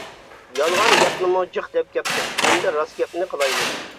يالغان گەپنىمۇ جىق دەپ كەتتۇق، ئەمدى راست گەپنى قىلايلى.